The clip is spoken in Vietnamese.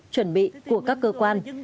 chuẩn bị của các cơ quan